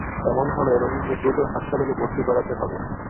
এমন হলে রোগীকে দ্রুত হাসপাতালে ভর্তি করাতে হবে।